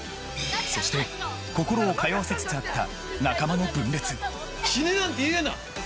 そして心を通わせつつあった仲間の分裂死ねなんて言うな！